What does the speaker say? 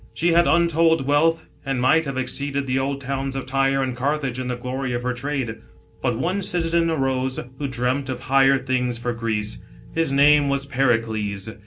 She had untold wealth, arid might have exceeded the old towns of Tyre and Carthage in the glory of her trade. But one citizen arose, who dreamt of higher things for Greece. His name was Pericles.